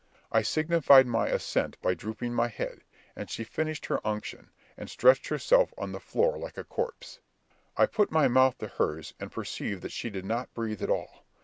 I signified my assent by drooping my head; and she finished her unction, and stretched herself on the floor like a corpse. I put my mouth to hers, and perceived that she did not breathe at all.